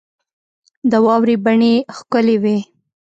د واورې بڼې ښکلي وې.